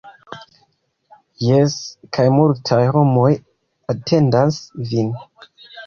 Jes kaj multaj homoj atendas vin